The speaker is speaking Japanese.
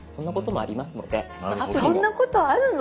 そんなことあるの？